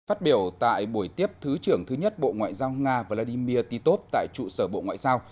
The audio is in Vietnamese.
phát biểu tại buổi tiếp thứ trưởng thứ nhất bộ ngoại giao nga vladimir titov tại trụ sở bộ ngoại giao